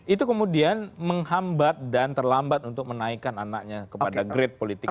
itu kemudian menghambat dan terlambat untuk menaikkan anaknya kepada grade politik